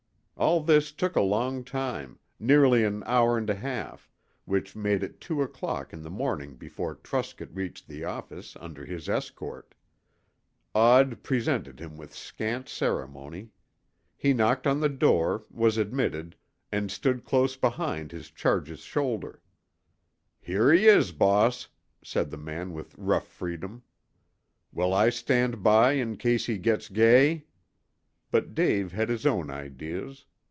All this took a long time, nearly an hour and a half, which made it two o'clock in the morning before Truscott reached the office under his escort. Odd presented him with scant ceremony. He knocked on the door, was admitted, and stood close behind his charge's shoulder. "Here he is, boss," said the man with rough freedom. "Will I stand by in case he gits gay?" But Dave had his own ideas.